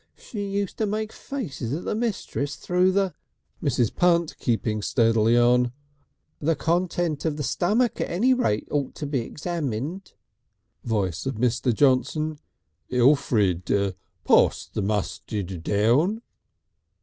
She used to make faces at the mistress through the " Mrs. Punt keeping steadily on: "The contents of the stummik at any rate ought to be examined." Voice of Mr. Johnson. "Elfrid, pass the mustid down."